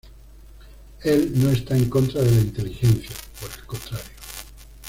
Él no está en contra de la inteligencia, por el contrario.